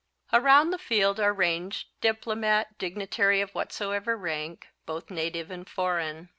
Around the field are ranged diplomat, dignitary of whatsoever rank, both native and foreign.